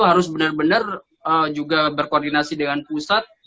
harus benar benar juga berkoordinasi dengan pusat